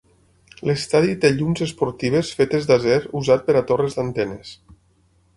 L'estadi té llums esportives fetes d'acer usat per a torres d'antenes.